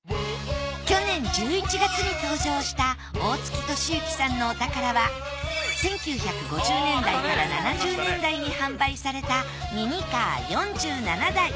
去年１１月に登場した大槻敏之さんのお宝は１９５０年代から７０年代に販売されたミニカー４７台。